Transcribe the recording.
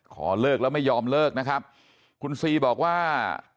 ขอเลิกแล้วไม่ยอมเลิกนะครับคุณซีบอกว่า